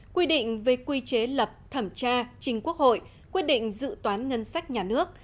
quy định về quy chế lập thẩm tra trình quốc hội quyết định dự toán ngân sách nhà nước